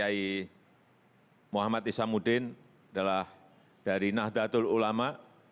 dan tadi bapak kiai muhammad isamuddin adalah dari nahdlatul ulama